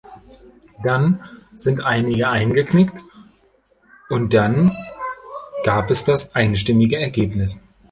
Dann sind einige eingeknickt und dann gab es das einstimmige Ergebnis.